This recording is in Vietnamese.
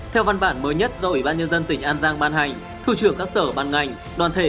theo văn bản mới nhất do ủy ban nhân dân tỉnh an giang ban hành thủ trưởng các sở ban ngành đoàn thể